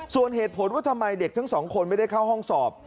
ส่วนเหตุผลว่าทำไมเด็กทั้งสองคนไม่ได้เข้าห้องสอบ